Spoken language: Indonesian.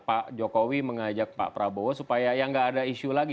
pak jokowi mengajak pak prabowo supaya ya nggak ada isu lagi